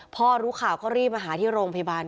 พ่อรู้ข่าวก็รีบมาหาที่โรงพยาบาล